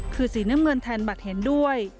คือสีน้ำเงินแทนบัตรเห็นด้วย